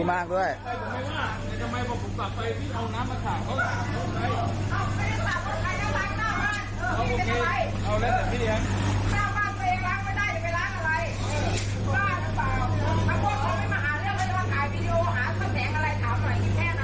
แต่ล่อยอีกแค่น้ำ